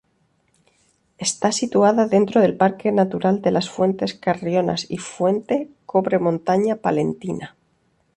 Está situada dentro del Parque Natural de las Fuentes Carrionas y Fuente Cobre-Montaña Palentina